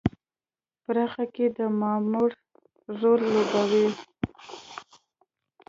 پراختیا کې د پاموړ رول لوباوه.